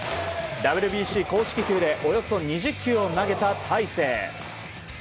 ＷＢＣ公式球でおよそ２０球を投げた大勢。